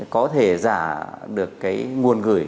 có thể giả được cái nguồn gửi